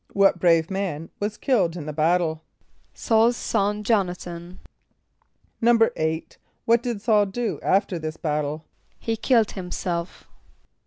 = What brave man was killed in the battle? =S[a:]ul's son J[)o]n´a than.= =8.= What did S[a:]ul do after this battle? =He killed himself.